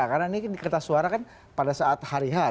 karena ini di kertas suara pada saat hari hat